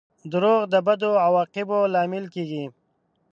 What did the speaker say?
• دروغ د بدو عواقبو لامل کیږي.